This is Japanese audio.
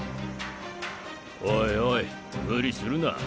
おいおいムリするな。